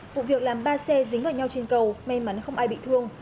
vụ việc làm ba xe dính vào nhau trên cầu may mắn không ai bị thương